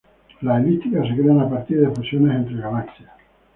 Las elípticas se crean a partir de fusiones entre galaxias.